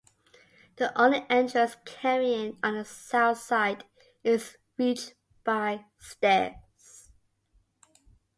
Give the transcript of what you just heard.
The only entrance carrying on the south side is reached by stairs.